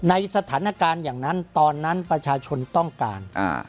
ในสถานการณ์อย่างนั้นตอนนั้นประชาชนต้องการ